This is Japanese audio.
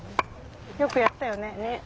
よくやったよね。